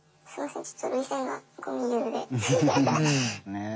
ねえ。